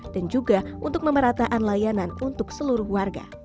dan juga untuk memerataan layanan untuk seluruh warga